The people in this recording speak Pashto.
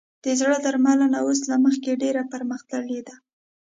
د زړه درملنه اوس له مخکې ډېره پرمختللې ده.